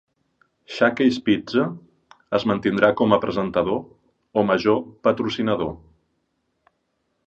Shakey's Pizza es mantindrà com a presentador o major patrocinador.